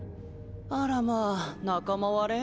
あらま仲間割れ？